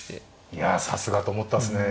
いやさすがと思ったっすね。